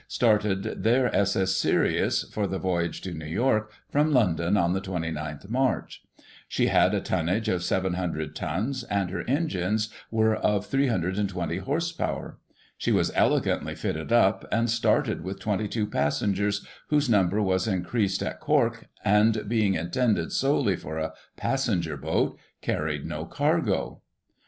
started their s.s. Sirius, for the voyage to New York, from London, on the 29th March. She had a tonnage of 700 tons, and her engines were of 320 horse power. She was elegantly fitted up, and started with 22 passengers, whose number was increased at Cork, and, being intended solely for a passenger boat, carried no cargo.